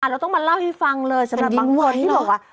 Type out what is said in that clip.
เราต้องมาเล่าให้ฟังเลยสำหรับบางคนที่บอกว่า